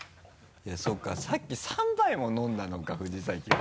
いやそうかさっき３杯も飲んだのか藤崎は。